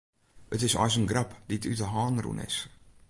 It is eins in grap dy't út de hân rûn is.